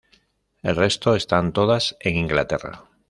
El resto están todas en Inglaterra.